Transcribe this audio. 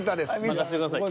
任してください。